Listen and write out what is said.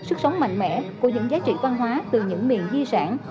sức sống mạnh mẽ của những giá trị văn hóa từ những miền di sản